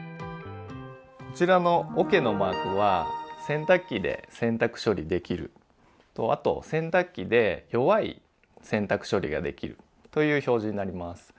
こちらのおけのマークは洗濯機で洗濯処理できるあと洗濯機で弱い洗濯処理ができるという表示になります。